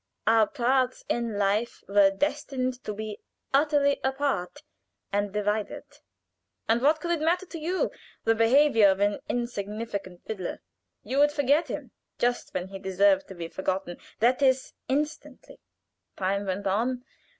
Our paths in life were destined to be utterly apart and divided, and what could it matter to you the behavior of an insignificant fiddler? You would forget him just when he deserved to be forgotten, that is instantly. "Time went on.